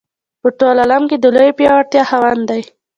په ټول عالم کې د لویې پیاوړتیا خاوند دی.